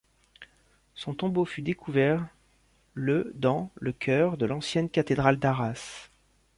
Son tombeau fut découvert le dans le chœur de l'ancienne cathédrale d'Arras.